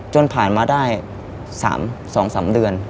ผ่านมาได้๒๓เดือน